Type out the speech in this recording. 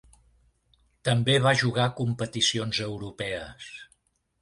També va jugar competicions europees.